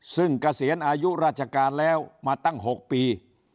ซึ่งเกษียณอายุราชการแล้วมาตั้ง๖ปี